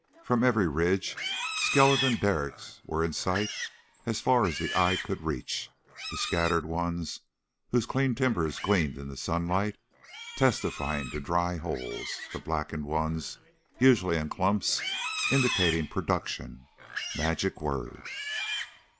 From every ridge skeleton derricks were in sight as far as the eye could reach, the scattered ones, whose clean timbers gleamed in the sunlight, testifying to dry holes; the blackened ones, usually in clumps, indicating "production" magic word.